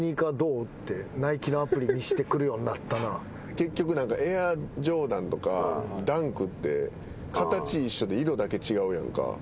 結局何かエアジョーダンとかダンクって形一緒で色だけ違うやんか。